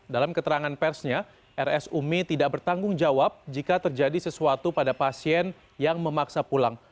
dalam keterangan persnya rs umi tidak bertanggung jawab jika terjadi sesuatu pada pasien yang memaksa pulang